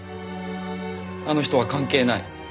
あの人は関係ない。